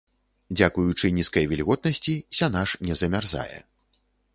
Дзякуючы нізкай вільготнасці, сянаж не замярзае.